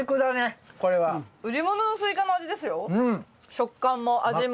食感も味も。